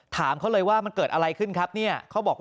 ถามเขาเลยว่ามันเกิดอะไรขึ้นครับ